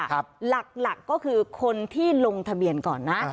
หลักก็คือคนที่ลงทะเบียนก่อนนะ